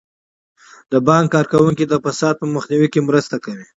د بانک کارکوونکي د فساد په مخنیوي کې مرسته کوي.